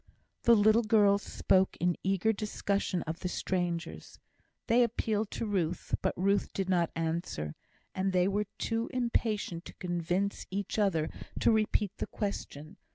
The little girls spoke in eager discussion of the strangers. They appealed to Ruth, but Ruth did not answer, and they were too impatient to convince each other to repeat the question.